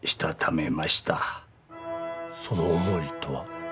その思いとは？